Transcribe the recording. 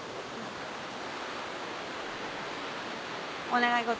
お願い事